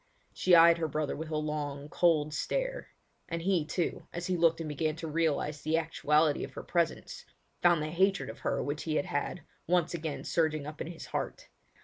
She eyed her brother with a long, cold stare; and he, too, as he looked and began to realise the actuality of her presence, found the hatred of her which he had had, once again surging up in his heart.